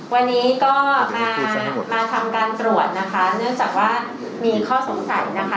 วันนี้ก็มามาทำการตรวจนะคะเนื่องจากว่ามีข้อสงสัยนะคะ